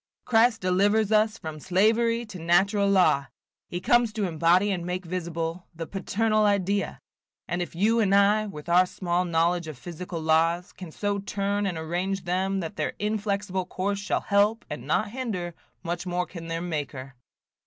Christ delivers us from slavery to natural law; he comes to embody and make visible the paternal idea; and if you and I, with our small knowledge of physical laws, can so turn and arrange them that their inflexible course shall help, and not hinder, much more can their Maker."